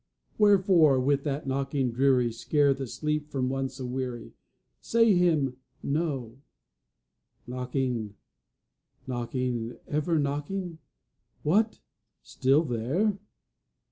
Wherefore, with that knocking dreary Scare the sleep from one so weary? Say Him, no. Knocking, knocking, ever knocking? What! Still there?